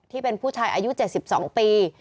ที่เป็นผู้ชายอายุ๗๒ปี